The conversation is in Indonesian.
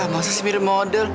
masa sih mirip model